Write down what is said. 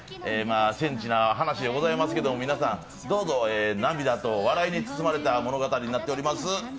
センチな話でございますけど、どうぞ笑いと涙に包まれた話になっております。